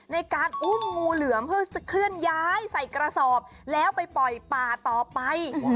ในการอุ้มงูเหลือมเพื่อจะเคลื่อนย้ายใส่กระสอบแล้วไปปล่อยป่าต่อไป